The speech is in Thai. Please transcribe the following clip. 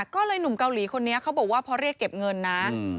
ก็เลยหนุ่มเกาหลีคนนี้เขาบอกว่าพอเรียกเก็บเงินนะ